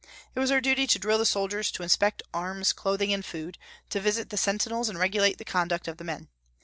It was their duty to drill the soldiers, to inspect arms, clothing, and food, to visit the sentinels and regulate the conduct of the men.